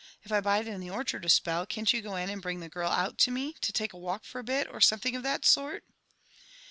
If I bide in the orchard a spell, can't you go in, and bring the girl out to me, to take a walk for a bit, or some thing of that sort?"